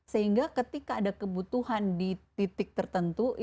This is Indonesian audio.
sehingga ketika ada kebutuhan di titik tertentu